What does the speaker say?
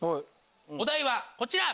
お題はこちら！